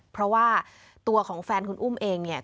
เพราะว่าตัวของแฟนคุณอุ้มเองเนี่ย